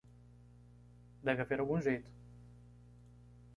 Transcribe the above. Deve haver algum jeito.